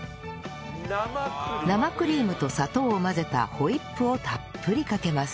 生クリームと砂糖を混ぜたホイップをたっぷりかけます